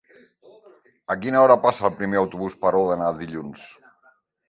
A quina hora passa el primer autobús per Òdena dilluns?